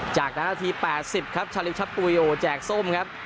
จากนั้นนาที๘๐ครับชาลิวชะปุยโอแจกส้มครับ